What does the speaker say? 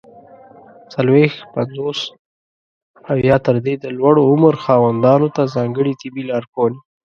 څلوېښت، پنځوس او یا تر دې د لوړ عمر خاوندانو ته ځانګړي طبي لارښووني!